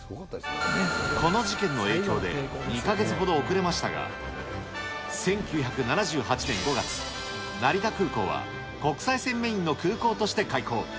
この事件の影響で、２か月ほど遅れましたが、１９７８年５月、成田空港は国際線メインの空港として開港。